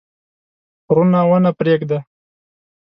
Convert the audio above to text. غرونه ونه پرېږده.